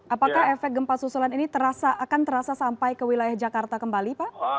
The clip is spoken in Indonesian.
apakah efek gempa susulan ini akan terasa sampai ke wilayah jakarta kembali pak